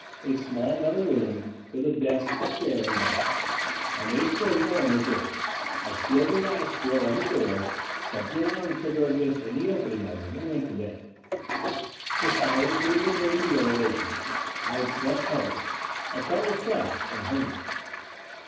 A small metal room, with a desk, a chair and bunk. I made sure no one was in it. I sealed the lattice grill and the door, set the alarm trigger against any opening of them, and went to bed. The siren for the mid day meal awakened me. I had slept heavily. I felt refreshed. And hungry.